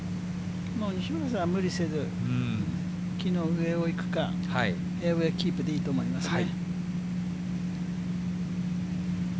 西村さんは無理せず、木の上を行くか、フェアウエーキープでいいと思いますね。